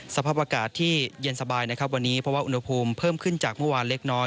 สภาพอากาศที่เย็นสบายนะครับวันนี้เพราะว่าอุณหภูมิเพิ่มขึ้นจากเมื่อวานเล็กน้อย